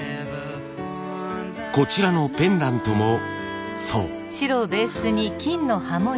こちらのペンダントもそう。